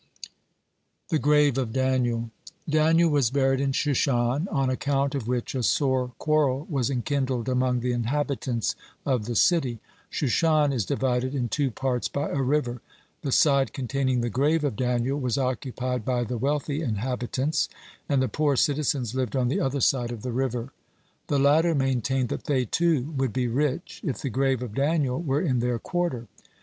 (19) THE GRAVE OF DANIEL Daniel was buried in Shushan, on account of which a sore quarrel was enkindled among the inhabitants of the city. Shushan is divided in two parts by a river. The side containing the grave of Daniel was occupied by the wealthy inhabitants, and the poor citizens lived on the other side of the river. The latter maintained that they, too, would be rich if the grave of Daniel were in their quarter.